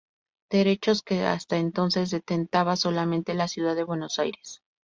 Derechos, que hasta entonces detentaba solamente la ciudad de Buenos Aires.